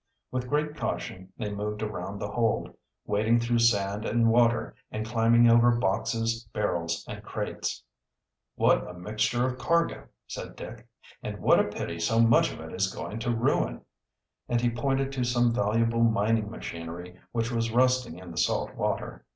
With great caution they moved around the hold, wading through sand and water, and climbing over boxes, barrels, and crates. "What a mixture of cargo," said Dick. "And what a pity so much of it is going to ruin," and he pointed to some valuable mining machinery which was rusting in the salt water.